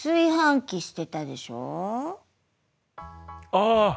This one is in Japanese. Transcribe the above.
ああ！